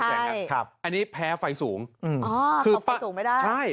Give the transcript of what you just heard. อ่าใช่อันนี้แพ้ไฟสูงอ๋อขอบไฟสูงไม่ได้ใช่